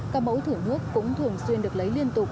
các mẫu thử nước cũng thường xuyên được lấy liên tục